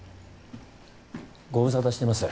ご無沙汰してます